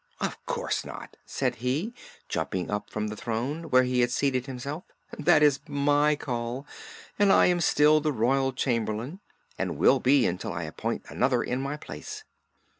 "Of course not," said he, jumping up from the throne, where he had seated himself. "That is my call, and I am still the Royal Chamberlain, and will be until I appoint another in my place."